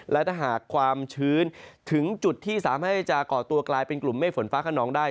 และถ้าหากความชื้นถึงจุดที่สามารถที่จะก่อตัวกลายเป็นกลุ่มเมฆฝนฟ้าขนองได้